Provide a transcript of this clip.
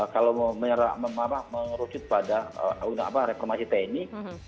kalau menyerah merucut pada reformasi tni